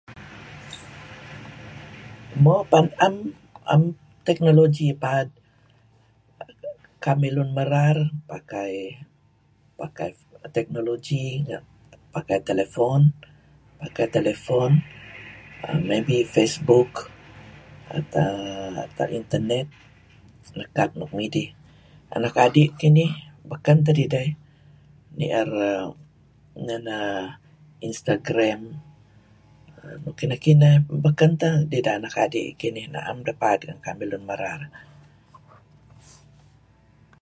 Mo am am technology paad. Kamih lun merar pakai pakai technology pakai telefon maybe facebook atau internet pakai nekap nuk midih. Anak adi' kinih beken teh dedeh ni'er[err] instagram nuk kineh-kineh . Ideh nuk anak adi am deh paad ngan lun merar.